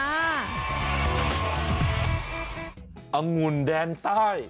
องุ่นแดนใต้